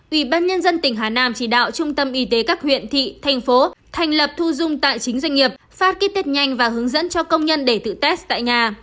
ủy ban nhân dân tỉnh hà nam chỉ đạo trung tâm y tế các huyện thị thành phố thành lập thu dung tài chính doanh nghiệp phát ký tết nhanh và hướng dẫn cho công nhân để tự test tại nhà